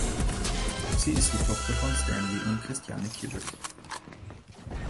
Sie ist die Tochter von Stanley und Christiane Kubrick.